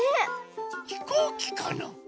ひこうきかな？